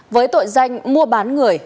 với tội danh mua bán người